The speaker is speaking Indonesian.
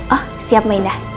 oh siap mainda